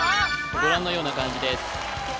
ご覧のような漢字です